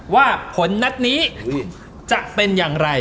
ว่าผลนัดนี้จะเป็นอย่างไร